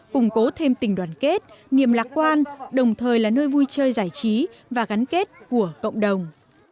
củng cố thêm tình đoàn kết niềm lạc quan đồng thời là nơi vui chơi giải trí và gắn kết của cộng đồng